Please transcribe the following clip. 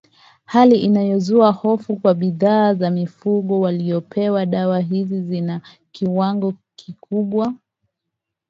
hali inayozua hofu kuwa bidhaa za mifugo waliopewa dawa hizo zina kiwango kikubwa